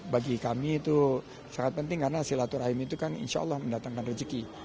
bagi kami itu sangat penting karena silaturahim itu kan insya allah mendatangkan rezeki